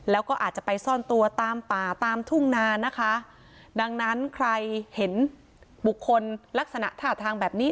แล้วก็อาจจะไปซ่อนตัวตามป่าตามทุ่งนานะคะดังนั้นใครเห็นบุคคลลักษณะท่าทางแบบนี้